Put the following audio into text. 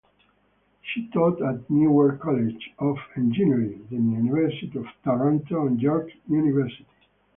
She taught at Newark College of Engineering, the University of Toronto, and York University.